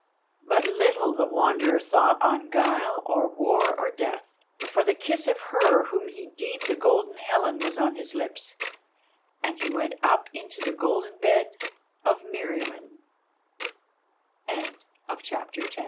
But little the Wanderer thought on guile or War or Death, for the kiss of her whom he deemed the Golden Helen was on his lips, and he went up into the golden bed of Meriamun. CHAPTER XI.